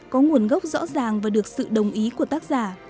có nguồn gốc rõ ràng và được sự đồng ý của tác giả